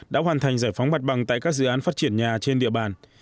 đã hoàn thành giải phóng mặt bằng tại các dự án phát triển nhà trên địa bàn